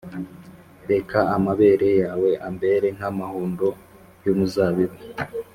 Reka amabere yawe ambere nk’amahundo y’umuzabibu,